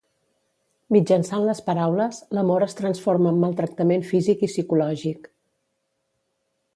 Mitjançant les paraules, l'amor es transforma en maltractament físic i psicològic.